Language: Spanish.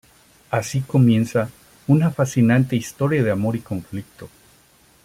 Así comienza una fascinante historia de amor y conflicto.